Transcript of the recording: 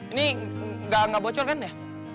ini nggak bocor kan ya